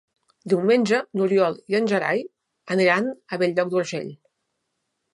Diumenge n'Oriol i en Gerai aniran a Bell-lloc d'Urgell.